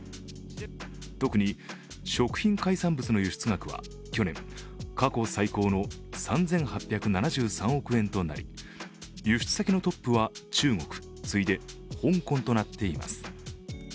特に、食品海産物の輸出額は去年、過去最高の３８７３億円となり輸出先のトップは中国、次いで香港となっています。